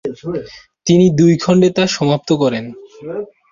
তিনি দুই খণ্ডে তা সমাপ্ত করেন।